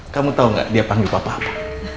kamu tau gak dia panggil apa apa